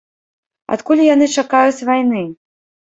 Адкуль яны чакаюць вайны?